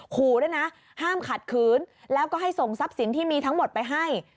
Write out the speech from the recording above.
ขู่ด้วยนะห้ามขัดขืนแล้วก็ให้ส่งทรัพย์สินที่มีทั้งหมดไปให้